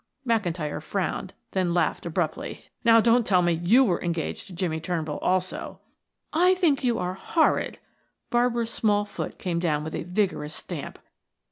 McIntyre frowned, then laughed abruptly. "Now, don't tell me you were engaged to Jimmie Turnbull, also." "I think you are horrid!" Barbara's small foot came down with a vigorous stamp.